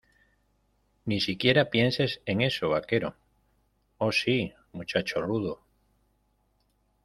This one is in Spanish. Ni siquiera pienses en eso, vaquero. ¿ O sí , muchacho rudo?